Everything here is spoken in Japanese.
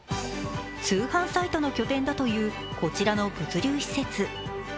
通販サイトの拠点だというこちらの物流施設。